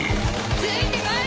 ついてこい！